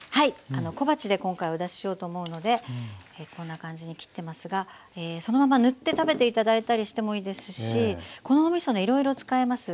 あの小鉢で今回お出ししようと思うのでこんな感じに切ってますがそのまま塗って食べて頂いたりしてもいいですしこのおみそねいろいろ使えます。